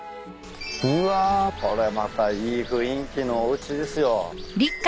うわこれまたいい雰囲気のおうちですよ。